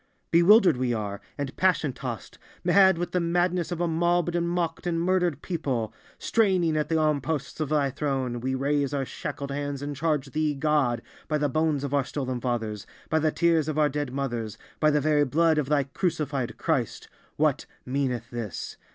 Bewildered we are, and passion tost, mad with the madness of a mobbed and mocked and murdered people; straining at the armposts of Thy Throne, we raise our shackled hands and charge Thee, God, by the bones of our stolen fathers, by the tears of our dead mothers, by the very blood of Thy crucified Christ: What meaneth this?